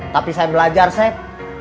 tapi saya belajar seb